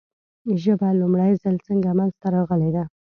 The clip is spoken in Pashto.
ژبه لومړی ځل څنګه منځ ته راغلې ده ؟